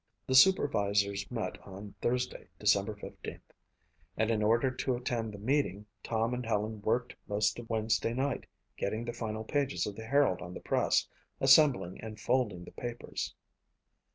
The supervisors met on Thursday, December 15th, and in order to attend the meeting Tom and Helen worked most of Wednesday night getting the final pages of the Herald on the press, assembling and folding the papers.